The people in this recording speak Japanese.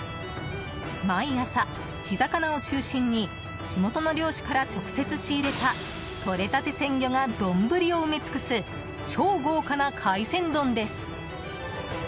毎朝、地魚を中心に地元の漁師から直接仕入れたとれたて鮮魚が丼を埋め尽くす超豪華な海鮮丼です。